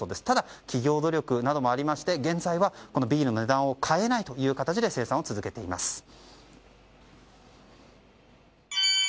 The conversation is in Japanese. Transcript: ただ、企業努力などもありまして現在はビールの値段を変えないという形で生産を続けています。